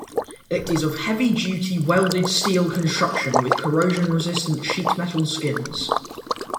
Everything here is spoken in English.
It is of heavy-duty welded steel construction with corrosion-resistant sheet metal skins.